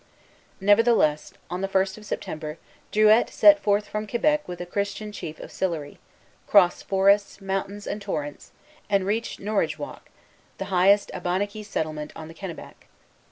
Nevertheless, on the first of September, Druilletes set forth from Quebec with a Christian chief of Sillery, crossed forests, mountains, and torrents, and reached Norridgewock, the highest Abenaqui settlement on the Kennebec.